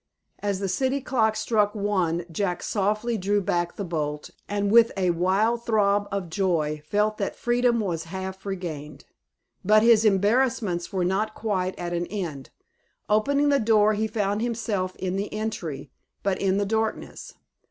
As the city clock struck one Jack softly drew back the bolt, and, with a wild throb of joy, felt that freedom was half regained. But his embarassments were not quite at an end. Opening the door, he found himself in the entry, but in the darkness.